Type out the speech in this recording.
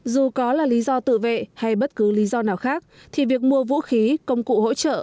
dù có là lý do tự vệ hay bất cứ lý do nào khác thì việc mua vũ khí công cụ hỗ trợ